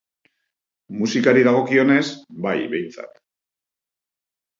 Musikari dagokionez, bai, behintzat.